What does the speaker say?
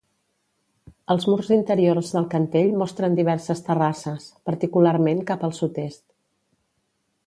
Els murs interiors del cantell mostren diverses terrasses, particularment cap al sud-est.